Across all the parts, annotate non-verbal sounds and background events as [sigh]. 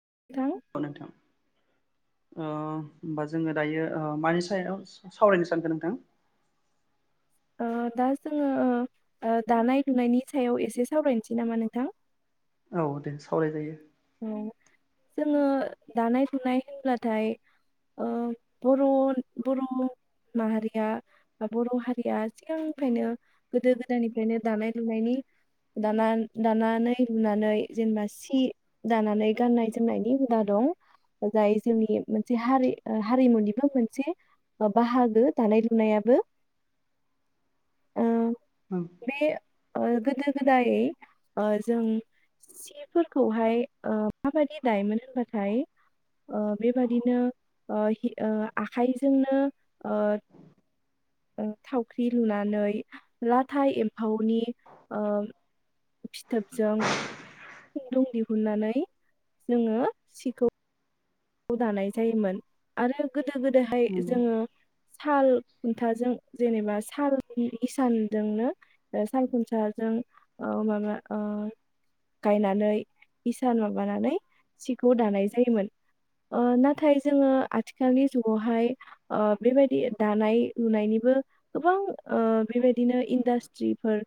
[unintelligible] औ नोंथां ओ होमबा जोङो दायो ओ मानि सायाव सावरायनो सानदों नोंथां? ओ दा जोङो ओ दानाय लुनायनि सायाव एसे सावरायनोसै नामा नोंथां। औ दे सावराय जायो। औ जोङो दानाय लुनाय होनब्लाथाय ओ बर' बर' माहारिया बर' हारिया सिगांनिफ्रायनो गोदो गोदायनिफ्रायनो दानाय लुनायनि दा दानानै लुनानै जेनेबा सि दानानै गाननाय जोमनायनि हुदा दं जाय जोंनि मोनसे हारि हारिमुनिबो मोनसे बाहागो दानाय लुनायाबो ओ बे ओ गोदो गोदाय ओ जों सिफोरखौहाय ओ माबादि दायोन होनबाथाय ओ बेबादिनो ओ आखाइजोंनो ओ थावख्रि लुनानै लाथा एम्फौनि ओ फिथोबजों खुन्दुं दिहुननानै [unintelligible] जोङो सिखौ खौ दानाय जायोमोन आरो गोदो गोदोहाय नंगौ जोङो साल खुन्थाजों जेनेबा साल इसानजोंनो ओ साल खुन्थाजों ओ माबा ओ गायनानै इसान माबानानै सिखौ दानाय जायोमोन। ओ नाथाय जोङो आथिखालनि जुगावहाय ओ बेबायदि दानाय लुनायनिबो गोबां ओ बेबायदिनो इन्डास्ट्रिफोर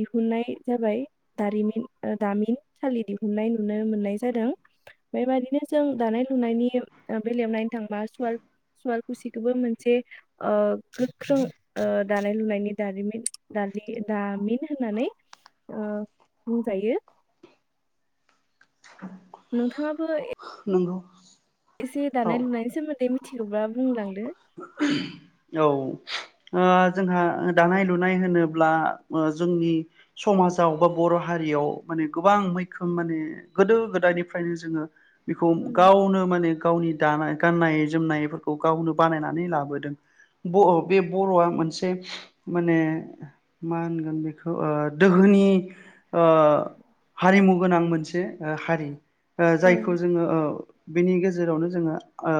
दिहुनन्नाय जाबाय दारिमिन दामिनसालि दिहुननाय नुनो मोननाय जादों बेबायदिनो जों दानाय लुनायनि बेलायाव नायनो थांबा सुवाल सुवाल खुसिखौबो मोनसे ओ गोख्रों ओ दानाय लुनायनि दारिमिन दालि दामिन होननानै ओ बुंजायो। नोंथाङाबो ए ओ नोंगौ। एसे दानाय लुनायस सोमोन दे मिथिगौबा बुंलांदो। औ ओ जोंहा दानाय लुनाय होनोब्ला जोंनि समाजाव बा बर' हारियाव माने गोबां मैखोम माने गोदो गोदायनिफ्रायनो जोङो बेखौ औ गावनो माने गावनि दाना गाननाय जोमनायफोरखौ गावनो बानायना नि लादों बर बे बर'आ मोनसे माने मा होनगोन बेखौ दोहोनि ओ हारिमु गोनां मोनसे हारि। ओ औ जायखौ जोङो ओ बेनि गेजेरावनो जोङो ओ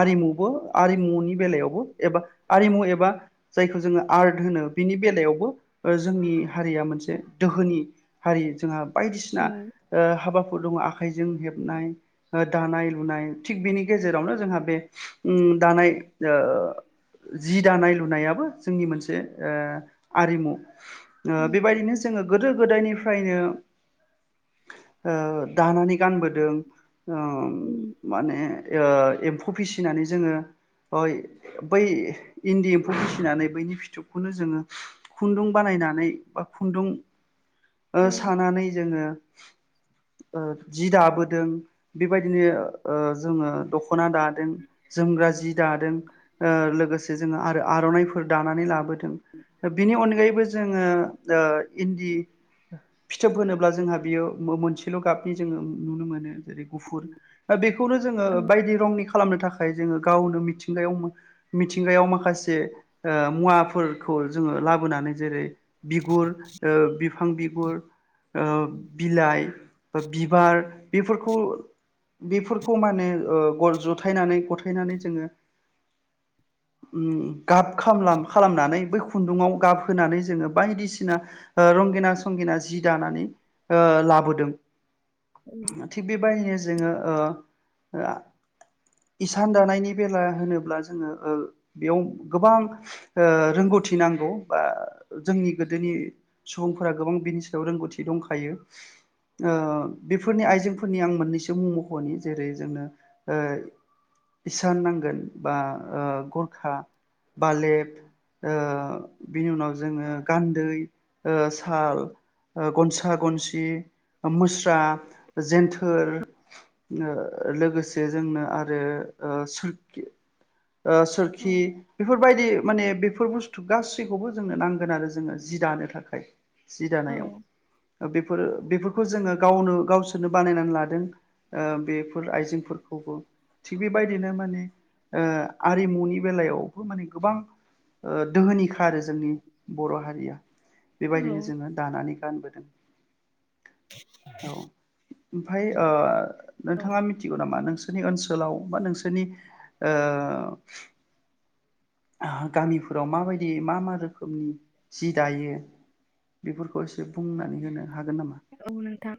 आरिमुबो आरिमुनि बेलायावबो। एबा आरिमु एबा जायखौ जोङो आर्ट होनो बिनि बेलायावबो ओ जोंनि हारिया मोनसे दोहोनि हारि जोंहा बायदिसिना उम ओ हाबाफोर दङ' आह आखायजों हेबनाय दानाय लुनाय थि बेनि गेजेरावनो जोंहा बे ओम दानाय ओ जि दानाय लुनायाबो जोंनि मोनसे ओ आरिमु। ओ बेबायदिनो जोङो गोदो गोदायनिफ्रायनो ओ दानानै गानबोदों। ओ माने ओ एम्फौ फिसिनानै जोंङो बै इन्दि एम्फौ फिसिनानै बैनि फिथोबखौनो जोंङो खुन्दुं बानायनानै बा खुन्दुं औ सानानै जोंङो ओ जि दाबोदों बेबायदिनो ओ जोंङो दख' दखना दादों जोमग्रा जि दादों ओ लोगोसे जोंङो आरो आर'नाइफोर दानानै लाबोदों बिनि अनगायैबो जोंङो ओ इन्दि फिथोब होनोब्ला जोंहा बियो मो मोनसेल' गाबनि जोंङो नुनो मोनो जेरै गुफुर ओ बे खौनो जोंङो बायदि रंनि खालामनो थाखाय जोंङो गावनो मिथि मिथिंगायाव मिथिंगायाव माखासे ओ मुवाफोरखौ जोंङो लाबोनानै जेरै - बिगुर, बिफां बिगुर, ओ बिलाइ बिबार बेफोरखौ बेफोरखौ माने ओ जथायनानै गथायनानै जोंङो ओम गाब खालाम खालामनानै बै खुन्दुङाव गाब होनानै जोंङो बायदिसिना ओ रंगिना संगिना जि दानानै ओ लाबोदों। थिग बे बायदिनो जोंङो ओ ओ इसान दानायनि बेला मानो होनोब्ला जोंङो ओ बेयाव गोबां ओ रोंगौथि नांगौ बा जोंनि गोदोनि सुबुंफोरा गोबां बिनि सायाव रोंगौथि दंखायो ओ बेफोरनि आइजेंफोरनि आं मोननैसो मुं मखनि जेरै जोंनो इसान नांगोन। बा ओ गरखा, बालेब ओ बिनि उनाव जोंङो गान्दै ओ साल, गनसा-गनसि, मुस्रा, जेन्थोर ओ लोगोसे जोंनो आरो सोर ओ औ सोरखि बेफोरबायदि माने बेफोर बुस्थु गासैखौबो जोंनो नांगोन आरो जोंनो जि दानो थाखाय। जि दानायाव औ ओ बे बेफोर बेफोरखौ जोंङो गावनो गावसोरनो बानायनानै लादों बेफोर आइजेंफोरखौबो थिग बेबायदिनो माने ओ आरिमुनि बेलायावबो माने गोबां ओ दोहोनिखा आरो जोंनि बर' हारिया बेबायदिनो जोंङो दानानै गानबोदों। औ। ओमफ्राय ओ नोंथाङा मिथिगौ नामा नों नोंसोरनि ओनसोलाव बा नोंसोरनि ओ गामिफोराव माबायदि मा मा रोखोमनि जि दायो बेफोरखौ एसे बुंनानै होनो हागोन नामा? औ नोंथां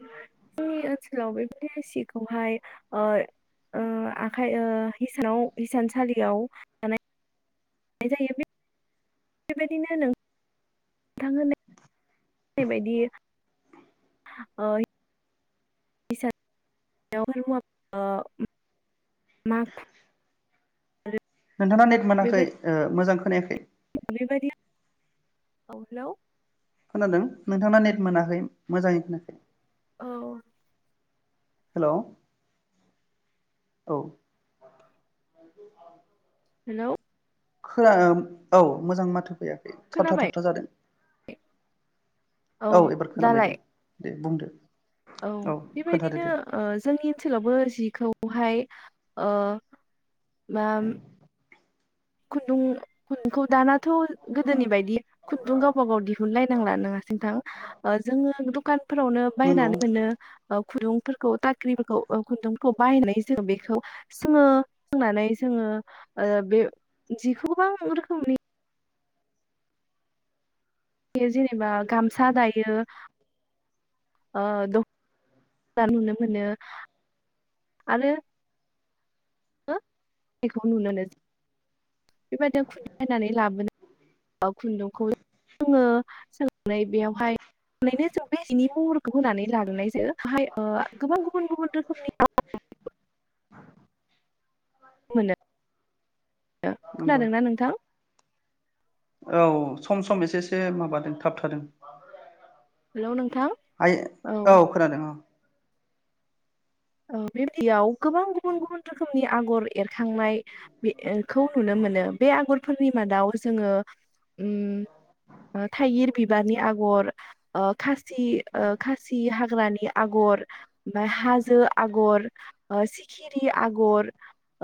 जोंनि ओनसोलावबो ऐ सिखौहाय ओ ओ आखाइ ओ हिसानाव हिसानसालियाव थानाय दानाय जायो बेबायदिनो नोंथां होननाय बेबायदि [inaudible] हिसान [inaudible] माखु नोंथांना नेट मोनाखै बेबायदि ओ मोजां खोनायाखै [inaudible] औ हेलौ खोनादों नोंथांना नेट मोनाखै मोजाङै खोनायाखै औ हेलौ औ हेलौ खोन [inaudible] औ मोजां माथो फैया थाबथा खोनाबाय थाबथा जादों औ एबार खोनाबाय दालाय दे बुंदो औ खोन्थादो बेबायदिनो दे ओ जोंनि ओनसोलावबो जिखौहाय ओ मा खुन्दुं खुन्दुंखौ दानाथ' गोदोनि बायदि खुन्दुं गावबा गाव दिहुनलायनांला नङा [inaudible] नोथां ओ जोङो दुखान फोरावनो नंगौ बायनानै मोनो ओ खुन्दुंफोरखौ टाख्रिफोरखौ ओ खुन्दुंफोरखौ बायनानै जोङो बेखौ सोङो सोंनानै जोङो ओ बे जिखौ गोबां रोखोमनि बे जेनेबा गामसा दायो ओ द' नुनो मोनो आरो [inaudible] बेबायदिनो खुन्दुं बायनानै लाबो [inaudible] खुन्दुंखौ जोङो सोंनानै बेयावहायनो जों बे जिनि महर होनानै ला [inaudible] ओ गोबां गुबुन गुबुन रोखोमनि [inaudible] मोनो नंगौ खोनादोंना नोंथां औ सम सम एसे एसे माबादों थाबथादों हेलौ नोंथां यै औ खोनादों औ ओ बेबायदियाव गोबां गुबुन गुबुन रोखोमनि आगर एरखांनाय बेखौ नुनो मोनो बे आगरफोरनि मादाव जोङो उम ओ थाइगिर बिबारनि आगर ओ खा सि ओ खासि हा हाग्रानि आगर ओमफाय हाजो आग ओ [inaudible] [inaudible] आगर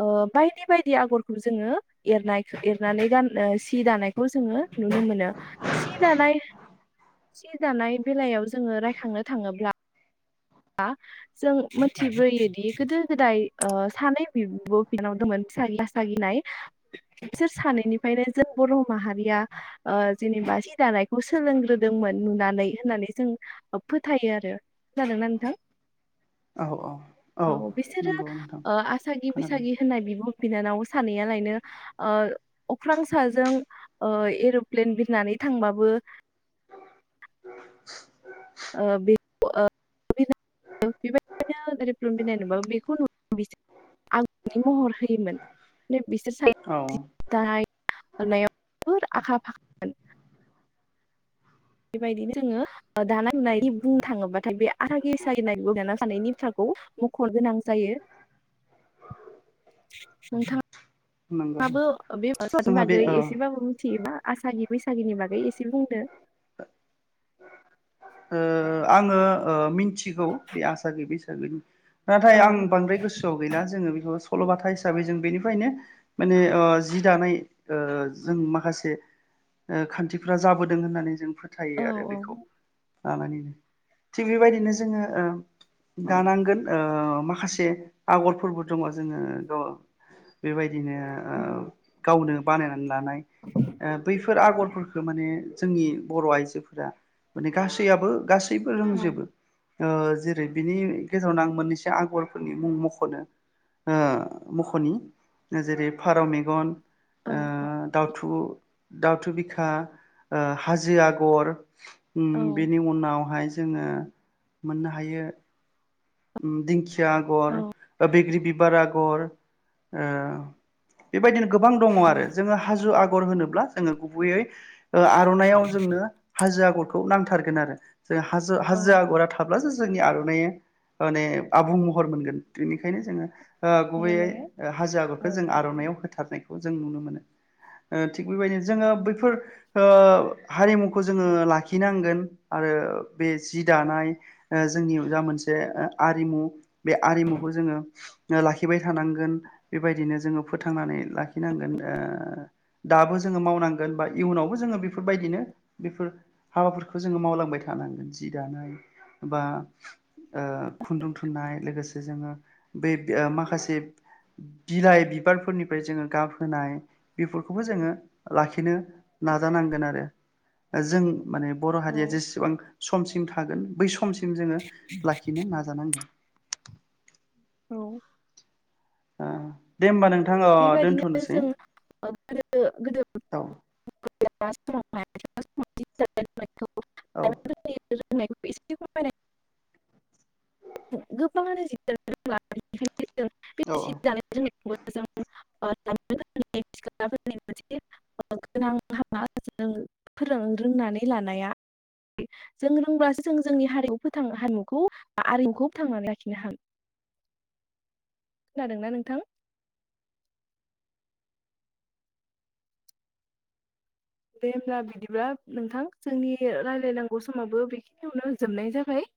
ओ बायदि बायदि आगरखौ जोङो एरनाय एरनानै गान सि दानायखौ जोङो नुनो मोनो सि दानाय सि दानाय बेलायाव जोङो रायखांनो थाङोब्ला [inaudible] जों मिथिबोयोदि गोदो गोदाय ओ सानै बिब' बिनानाव दोंमोन बैसासि आसागि होननाय बिसोर सानैनिफ्रायनो जों बर' माहारिया ओ जेनेबा सि दानायखौ सोलोंग्रोदोंमोन नुनानै होननानै जों फोथायो आरो खानादोंना नों थां औ औ औ बिसोरो नंगौ नोंथां ओ आसागि खोनादों बैसागि होननाय बिब' बिनानाव सानैया लायनो ओ अख्रां साजों ओ एर'प्लेन बिरनानै थांबाबो [unintelligible] ओ ओ बेखौ‌ ओ बिरनो ओ बेबायदिनो जेरै एर'प्लेन बिरनाय नुबाबो बेखौ नु बिस आंनि महर होयोमोन नो बिसोर सानैया जि औ दानाय [unintelligible] दारनायाव फोर आखा फाखामोन। [unintelligible] बेबायदिनो जोङो ओ दानाय लुनायनि बुंनो थाङोब्ला बाथाय बे आथा खेसा जिरनाय [unintelligible] बिब' बिनानाव सानैनि थ्राखौ मख खर गोनां जायो नोंथां। नंगौ माबो ओ बे ओ स आबादनि जोंहा बे बागै औ एसेबाबो मिथियोबा आसागि बैसागिनि बागै एसे बुंदो? ओ आङो ओ मिन थिगौ बे आसागि बैसा दा बेगुन नाथाय औ आं बांद्राय गोसोआव गैला जोङो बेखौ सल'बाथा हिसाबै जों बेनिफ्रायनो माने ओ जि दानाय ओ जों माखासे ओ खान्थिफ्रा जाबोदों होननानै जों फोथाय औ औ बेखौ लानानैनो थिग बेबायदिनो जोङो ओ दानांगोन ओ माखासे आगरफोरबो दङ जोङो द बेबायदि दिनो ओ औ गावनो बानायना लानाय ओ बैफोर आगरफोरखो माने जोंनि बर' आइजोफोरा माने गासैआबो गासैबो रोंजोबो। ओ जेरै बिनि गेजेरावनो आं मोननैसो आगरफोरनि मुं मख'नो ओ मख'नि ओ जेरै फारौ मेगन औ ओ दाउथु दाउथु बिखा ओ हाजो आगर उम औ बेनि उनावहाय ज जोङो मोननो हायो। उम दिंख या आगर औ ओ बेग्रि बिब बार अगर ओ बेबायदिनो गोबां दङ औ आरो जोङो हाज' आग गर होनोब्ला जोङो गुबैयै ओ आर'नाइआव जोंनो हाजो आग गरखौ नांथारगोन आरो जों हाज' औ हाजो आगरा थाब्ला जोज जोंनि आर'नाइआ माने आबुं महर मोनगोन बेनिखायनो जोङो ओ गुबैयै थारैनो ओ हाजो औ आगरखौ जों आर'नायाव होथारनाय। जों नुनो मोनो ओ थिग बेबायदिनो जोंङो बैफोर ओ हारिमु खौ जोंङो लाखिनांगोन। आरो बे जि दानाय ओ जोंनि जा मोनसे आरिमु बे आरिमुखौ जोंङो लाखिबाय थानांगोन बेबायदिनो जोङो फोथांनानै लाखिनांगोन दाबो जोङो मावनांगोन बा इयुनावबो जोङो बेफोरबायदिनो बेफोर हाबाफोरखौ जोंङो मावलांबाय थानांगोन जि दानाय बा ओ खुन्दुं थुननाय लोगोसे जोङो बै माखासे बिलाइ बिबारफोरनिफ्राय जोङो गाबहोनाय बेफोरखौबो जोंङो लाखिनो नाजानांगोन आरो। जों माने बर' हारिया औ जेसेबां समसिम थागोन बै सम समसिम जोंङो लाखिनो ना नाजानांगोन। औ ओ दे होमबा नों बेबायदिनो जों गोदो गोदो औ [unintelligible] [unintelligible] एसे औ फोरमाय गोबाङानो जि औ औ जानाय [unintelligible] [unintelligible] जि दानायफोरामोनसे गोनां हाबा जों फोर रोंनानै लानाया जों रोंब्लासो जों जोंनि हारिमु फथ हारिमुखौ आरिमुखौ फोथांनानै लाखिनो हाम खोनादोंना नोंथां। दे हब्ला बिदिब्ला नोंथां जोंनि रायलायनांगौ समावबो बेखिनियावनो जोबनाय जाबाय।